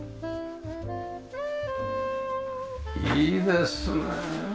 いいですね。